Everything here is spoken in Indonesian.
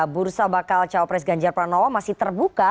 bursa bakal cawapres ganjar pranowo masih terbuka